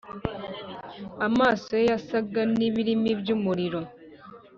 amaso ye yasaga n’ibirimi by’umuriro,